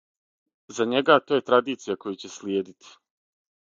За њега, то је традиција коју ће слиједити.